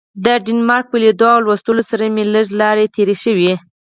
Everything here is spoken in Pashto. د ډنمارک په لیدلو او لوستلو سره مې لږې لاړې تیرې شوې.